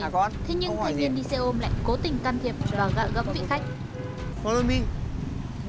thế nhưng thay nhiên đi xe ôm lại cố tình can thiệp vào gạo gấm vị khách